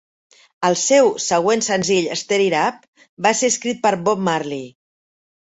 El seu següent senzill, "Stir It Up", va ser escrit per Bob Marley.